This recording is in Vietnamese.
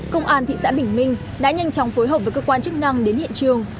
công an thị xã bình minh đã nhanh chóng phối hợp với cơ quan chức năng đến hiện trường